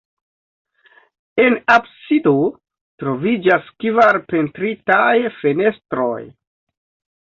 En absido troviĝas kvar pentritaj fenestroj.